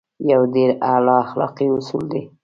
يو ډېر اعلی اخلاقي اصول دی.